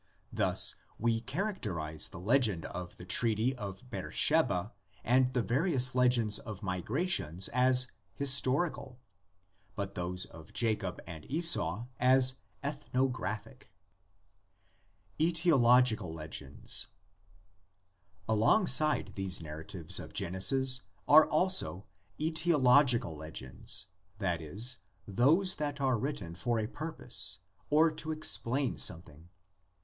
Thus we characterise the legend of the treaty of Beersheba and the various legends of migrations as "historical," but those of Jacob and Esau as "ethnographic." VARIETIES OF THE LEGENDS. 25 ^ETIOLOGICAL LEGENDS. Alongside these narratives of Genesis are also "aetiological" legends, that is, those that are writ ten for a purpose, or to explain something.